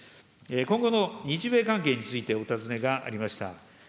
今後の日米関係についてお尋ねがありました。